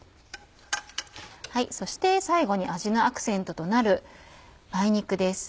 そして最後に味のアクセントとなる梅肉です。